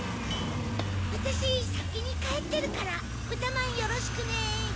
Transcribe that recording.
わたしさきにかえってるからぶたまんよろしくね。